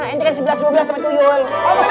entah kan sebelas dua belas sama tuyul